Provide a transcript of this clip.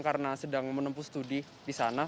karena sedang menempuh studi di sana